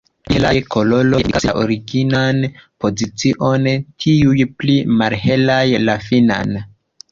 La pli helaj koloroj indikas la originan pozicion, tiuj pli malhelaj la finan.